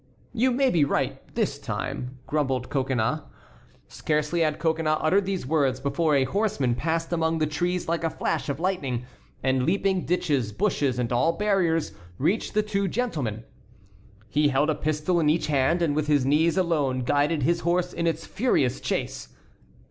"You may be right, this time," grumbled Coconnas. Scarcely had Coconnas uttered these words before a horseman passed among the trees like a flash of lightning, and leaping ditches, bushes, and all barriers reached the two gentlemen. He held a pistol in each hand and with his knees alone guided his horse in its furious chase.